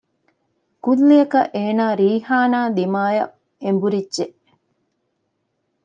ކުއްލިއަކަށް އޭނާ ރީޙާނާ ދިމާއަށް އެނބުރިއްޖެ